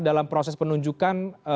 dalam proses penunjukan